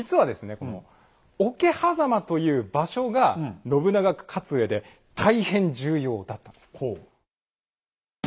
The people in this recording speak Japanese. この桶狭間という場所が信長が勝つうえで大変重要だったんですよ。